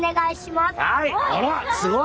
すごいよ。